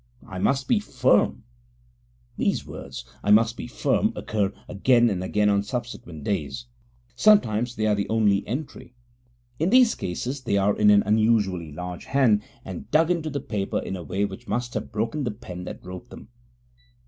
I must be firm. These words, I must be firm, occur again and again on subsequent days; sometimes they are the only entry. In these cases they are in an unusually large hand, and dug into the paper in a way which must have broken the pen that wrote them.